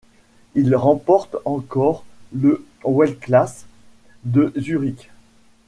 Il remporte encore le Weltklasse de Zurich.